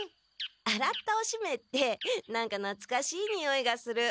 あらったおしめって何かなつかしいにおいがする。